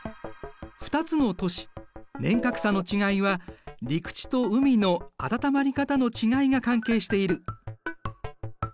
２つの都市年較差の違いは陸地と海の温まり方の違いが関係している。